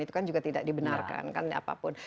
itu kan juga tidak dibenarkan kan apapun